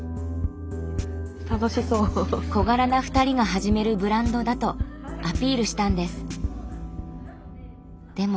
小柄な２人が始めるブランドだとアピールしたんです。